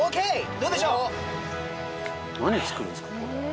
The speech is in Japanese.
どうでしょう？